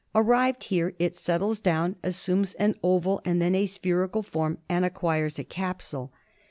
Arrived here it settles down, assumes an oval and then a spherical form and acquires a capsule.